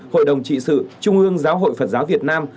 hội đồng trị sự trung ương giáo hội phật giáo việt nam